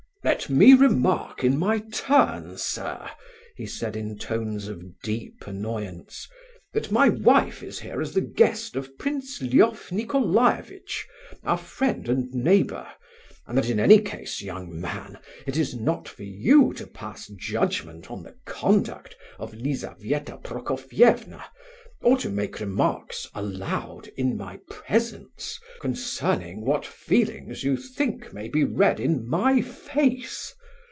"Let me remark in my turn, sir," he said in tones of deep annoyance, "that my wife is here as the guest of Prince Lef Nicolaievitch, our friend and neighbour, and that in any case, young man, it is not for you to pass judgment on the conduct of Lizabetha Prokofievna, or to make remarks aloud in my presence concerning what feelings you think may be read in my face.